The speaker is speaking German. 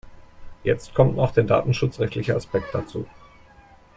Jetzt kommt noch der datenschutzrechtliche Aspekt dazu.